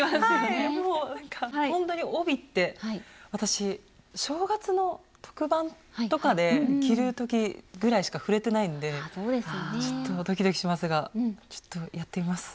ほんとに帯って私正月の特番とかで着る時ぐらいしか触れてないんでちょっとドキドキしますがちょっとやってみます。